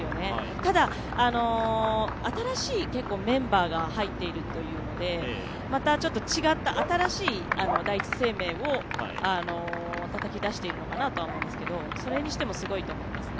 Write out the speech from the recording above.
ただ、新しいメンバーが入っているというのでまた違った、新しい第一生命をたたき出しているのかなとは思いますけどそれにしてもすごいと思いますね。